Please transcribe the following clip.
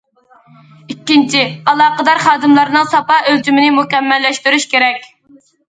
ئىككىنچى، ئالاقىدار خادىملارنىڭ ساپا ئۆلچىمىنى مۇكەممەللەشتۈرۈش كېرەك.